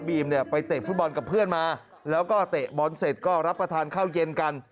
เนี่ยไปเตะฟุตบอลกับเพื่อนมาแล้วก็เตะบอลเสร็จก็รับประทานข้าวเย็นกัน